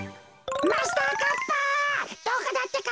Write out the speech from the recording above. マスターカッパーどこだってか！